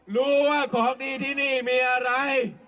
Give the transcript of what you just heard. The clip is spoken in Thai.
รู้ว่าของดีที่นี่มีอะไร